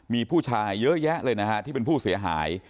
มีผู้ชายเยอะแยะเลยนะฮะที่เป็นผู้เสียหาย